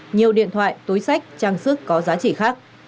nhiều điện thoại túi sách trang sức có giá trị khác